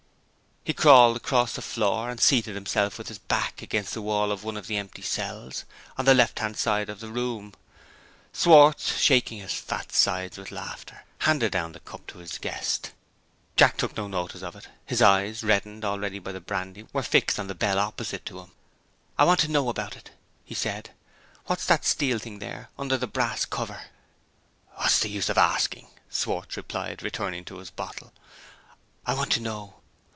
He crawled across the floor, and seated himself with his back against the wall of one of the empty cells, on the left hand side of the room. Schwartz, shaking his fat sides with laughter, handed down the cup to his guest. Jack took no notice of it. His eyes, reddened already by the brandy, were fixed on the bell opposite to him. "I want to know about it," he said. "What's that steel thing there, under the brass cover?" "What's the use of asking?" Schwartz replied, returning to his bottle. "I want to know!"